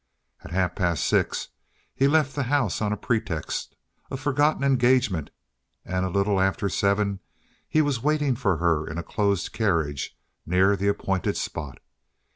At half past six he left the house on a pretext—a forgotten engagement—and a little after seven he was waiting for her in a closed carriage near the appointed spot.